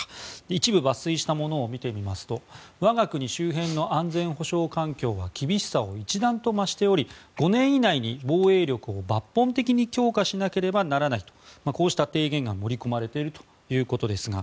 一部抜粋したものを見てみますと我が国周辺の安全保障環境は厳しさを一段と増しており５年以内に防衛力を抜本的に強化しなければならないとこうした提言が盛り込まれているということですが。